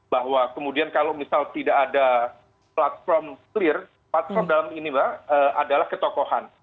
bahwa kemudian kalau misal tidak ada platform clear platform dalam ini mbak adalah ketokohan